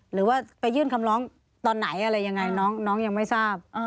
หรือว่าไปยื่นคำร้องตอนไหนอะไรยังไงน้องยังไม่ทราบ